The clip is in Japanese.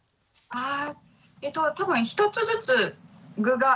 あ多分１つずつ具が。